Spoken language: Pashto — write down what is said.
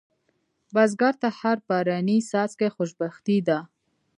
بزګر ته هر باراني څاڅکی خوشبختي ده